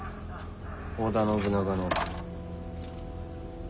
織田信長の。